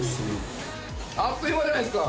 あっという間じゃないですか。